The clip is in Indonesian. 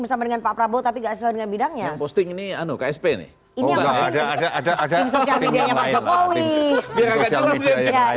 bersama dengan pak prabowo tapi gak sesuai dengan bidangnya posting ini ano ksp ini ada ada ada